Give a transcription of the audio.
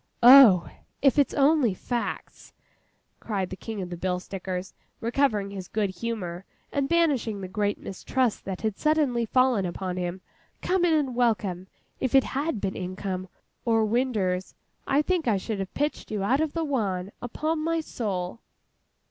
'Oh, if it's only facts,' cried the King of the Bill Stickers, recovering his good humour, and banishing the great mistrust that had suddenly fallen upon him, 'come in and welcome! If it had been income, or winders, I think I should have pitched you out of the wan, upon my soul!